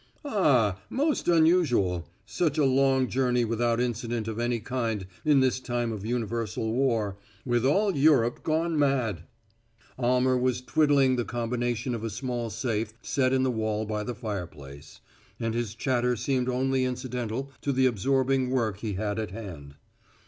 "Ah, most unusual such a long journey without incident of any kind in this time of universal war, with all Europe gone mad." Almer was twiddling the combination of a small safe set in the wall by the fireplace, and his chatter seemed only incidental to the absorbing work he had at hand.